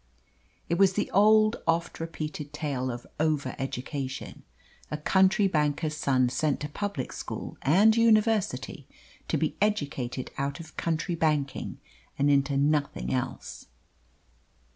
It was the old, oft repeated tale of over education. A country banker's son sent to public school and university to be educated out of country banking and into nothing else.